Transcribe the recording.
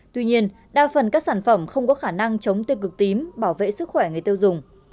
tuy nhiên đa phần các sản phẩm không có khả năng chống tiêu cực tím bảo vệ sức khỏe người tiêu dùng